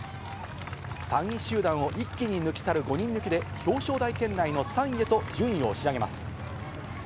３位集団を一気に抜き去る５人抜きで、表彰台圏内の３位へと順位を押し上げます。